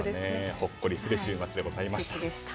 ほっこりする週末でございました。